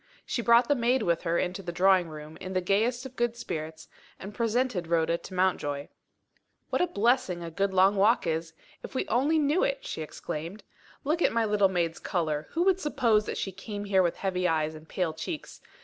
She brought the maid with her into the drawing room, in the gayest of good spirits, and presented Rhoda to Mountjoy. "What a blessing a good long walk is, if we only knew it!" she exclaimed. "Look at my little maid's colour! Who would suppose that she came here with heavy eyes and pale cheeks?